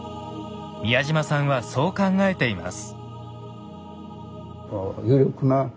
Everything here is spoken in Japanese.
宮島さんはそう考えています。